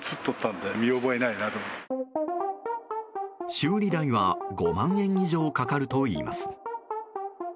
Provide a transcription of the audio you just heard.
修理代は５万円以上かかるといいます。